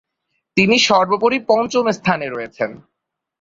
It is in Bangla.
তিনি সর্বোপরি পঞ্চম স্থানে রয়েছেন।